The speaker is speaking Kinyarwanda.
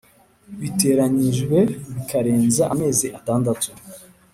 Biteranyijwe bikarenza amezi atandatu